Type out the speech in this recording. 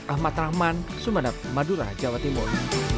ahmad rahman sumeneb madura jawa timur